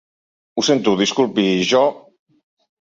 Ho sento, disculpi, jo...